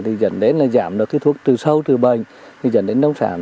thì dẫn đến là giảm được cái thuốc trừ sâu từ bệnh thì dẫn đến nông sản